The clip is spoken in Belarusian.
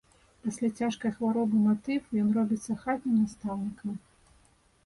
Пасля цяжкай хваробы на тыф ён робіцца хатнім настаўнікам.